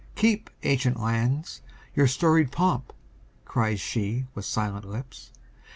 "Keep, ancient lands, your storied pomp!" cries she With silent lips.